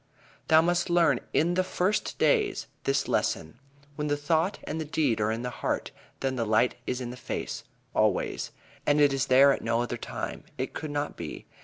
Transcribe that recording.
"Thou must learn in the first days this lesson: When the thought and the deed are in the heart, then the light is in the face, always, and it is there at no other time. It could not be.